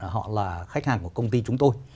họ là khách hàng của công ty chúng tôi